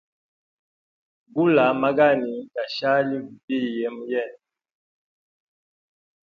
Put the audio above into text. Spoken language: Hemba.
Gula magani gashali gubiye mu yende.